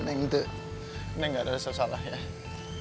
neng tuh neng gak ngerasa salah ya